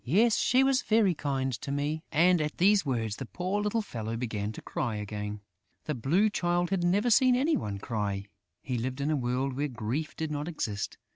"She was very kind to me." And, at these words, the poor little fellow began to cry again. The Blue Child had never seen any one cry. He lived in a world where grief did not exist.